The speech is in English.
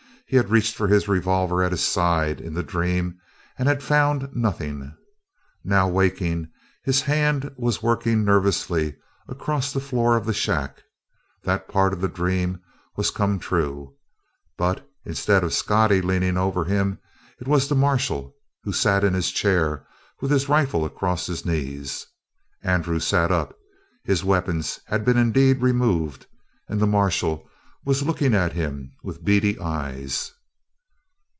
He had reached for his revolver at his side, in the dream, and had found nothing. Now, waking, his hand was working nervously across the floor of the shack. That part of the dream was come true, but, instead of Scottie leaning over him, it was the marshal, who sat in his chair with his rifle across his knees. Andrew sat up. His weapons had been indeed removed, and the marshal was looking at him with beady eyes.